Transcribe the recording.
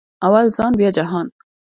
اول ځان بیا جهان